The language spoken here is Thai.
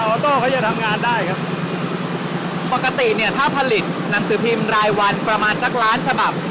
โต้เขาจะทำงานได้ครับปกติเนี่ยถ้าผลิตหนังสือพิมพ์รายวันประมาณสักล้านฉบับ